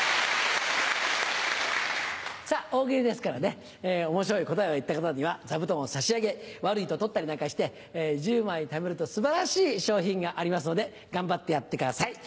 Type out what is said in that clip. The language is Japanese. さぁ大喜利ですからね面白い答えを言った方には座布団を差し上げ悪いと取ったりなんかして１０枚ためると素晴らしい賞品がありますので頑張ってやってください。